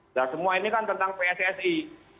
nah semua ini kan tentang pssi